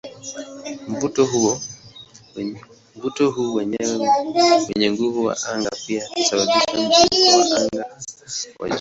Mvuto huu wenye nguvu wa anga pia husababisha mzunguko wa anga wa jumla.